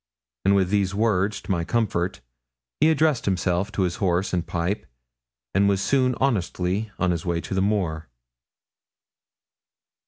And with these words, to my comfort, he addressed himself to his horse and pipe, and was soon honestly on his way to the moor.